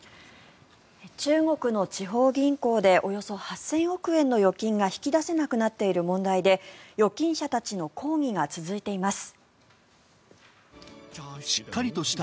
中国の地方銀行でおよそ８０００億円の預金が引き出せなくなっている問題で預金者たちの抗議が続いています。